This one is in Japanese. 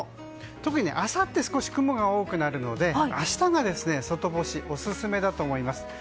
特にあさって少し雲が多くなるので明日が外干しオススメだと思います。